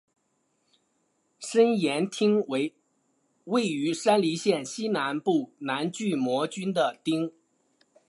身延町为位于山梨县西南部南巨摩郡的町。